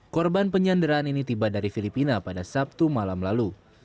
korban penyanderaan ini tiba dari filipina pada sabtu malam lalu